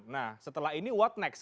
nah setelah ini what next